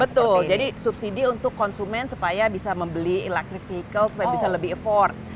betul jadi subsidi untuk konsumen supaya bisa membeli electric vehicle supaya bisa lebih effort